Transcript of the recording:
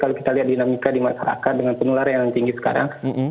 kalau kita lihat dinamika di masyarakat dengan penularan yang tinggi sekarang